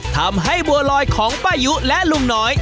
ทำให้บัวลอยของป้ายุและลุงน้อย